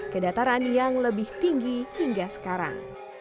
ke dataran yang lebih tinggi hingga sekarang